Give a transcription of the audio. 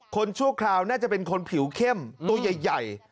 ชั่วคราวน่าจะเป็นคนผิวเข้มตัวใหญ่